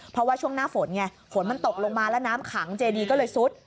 เพราะว่าช่วงหน้าฝนไงฝนมันตกลงมาแล้วน้ำขังเจดีก็เลยซุด